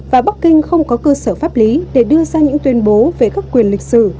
và bắc kinh không có cơ sở pháp lý để đưa ra những tuyên bố về các quyền lịch sử